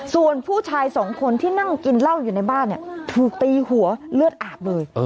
ส่วนผู้ชายสองคนที่นั่งกินเหล้าอยู่ในบ้านถูกตีหัวเลือดอาบเลย